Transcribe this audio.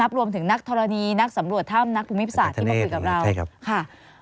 นะนับรวมถึงนักธนณีนักสำรวจถ้ำนักภูมิภิษฏที่มาคุยกับเรา